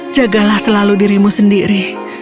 jagalah selalu dirimu sendiri